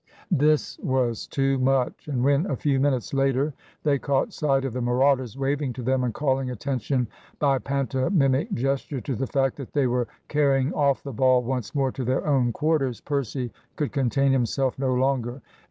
This was too much; and when, a few minutes later, they caught sight of the marauders waving to them and calling attention by pantomimic gesture to the fact that they were carrying off the ball once more to their own quarters, Percy could contain himself no longer.